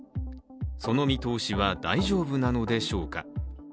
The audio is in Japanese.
その見通しは大丈夫なのでしょうか。